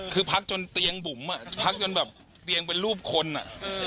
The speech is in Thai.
คือพักจนเตียงบุ๋มอ่ะพักจนแบบเตียงเป็นรูปคนอ่ะ